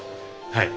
はい。